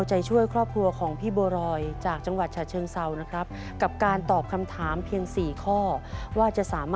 ได้เงินแสนกลับบ้านแล้วนะ